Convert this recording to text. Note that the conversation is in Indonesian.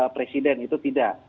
presiden itu tidak